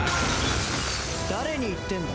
誰に言ってんだ。